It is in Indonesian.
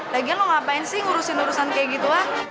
lagian lo ngapain sih ngurusin urusan kayak gitu ah